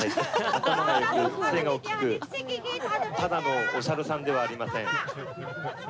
頭がよく、背が大きく、ただのおさるさんではありません。